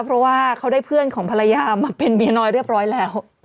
เพราะว่าเขาได้เพื่อนของภรรยามาเป็นเมียน้อยเรียบร้อยแล้ว